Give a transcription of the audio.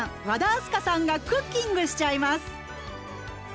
和田明日香さんがクッキングしちゃいます。